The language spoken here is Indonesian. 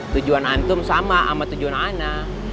tujuan antum sama sama tujuan anak